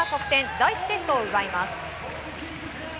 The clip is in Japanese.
第１セットを奪います。